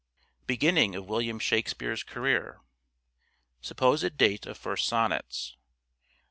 Beginning of William Shakspere's career. Supposed date of first sonnets.